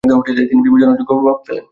তিনি বিবেচনার যোগ্য প্রভাব ফেলেন।